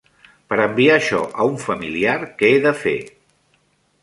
Per enviar això a un familiar, què he de fer?